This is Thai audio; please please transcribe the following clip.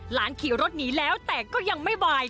หลานขี่รถหนีแล้วแต่ก็ยังไม่วาย